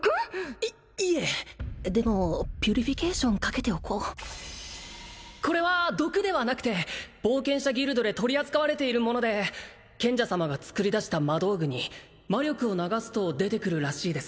いいえでもピュリフィケイションかけておここれは毒ではなくて冒険者ギルドで取り扱われているもので賢者様が作り出した魔道具に魔力を流すと出てくるらしいです